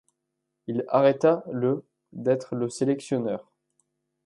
Il arrêta le d’être le sélectionneur.